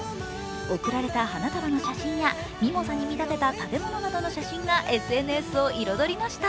贈られた花束の写真やミモザに見立てた食べ物の写真などがＳＮＳを彩りました。